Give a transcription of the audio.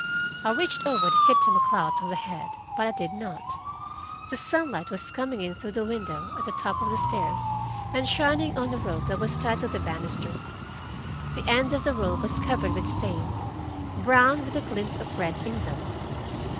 I reached over to hit him a clout on the head, but I did not. The sunlight was coming in through the window at the top of the stairs, and shining on the rope that was tied to the banister. The end of the rope was covered with stains, brown, with a glint of red in them.